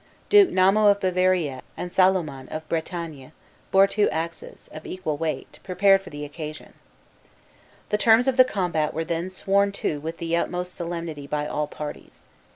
Duke Namo of Bavaria and Salomon of Bretagne bore two axes, of equal weight, prepared for the occasion. The terms of the combat were then sworn to with the utmost solemnity by all parties.